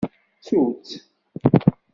Ttut-t.